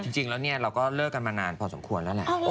จริงแล้วเนี่ยเราก็เลิกกันมานานพอสมควรแล้วแหละ